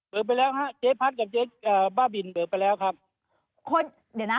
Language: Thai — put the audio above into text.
เบิกไปแล้วครับเจ๊พัฒน์กับเจ๊บ้าบินเบิกไปแล้วครับ